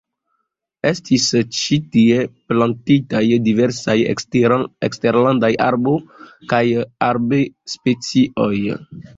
Estis ĉi tie plantitaj diversaj eksterlandaj arbo- kaj arbed-specioj.